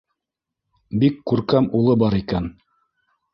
Бик күркәм улы бар икән.